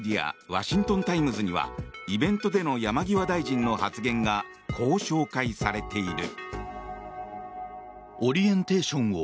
ワシントン・タイムズにはイベントでの山際大臣の発言がこう紹介されている。